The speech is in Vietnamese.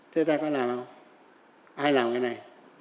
thế ta có làm không ai làm cái này